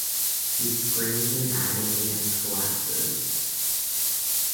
He screams in agony and collapses.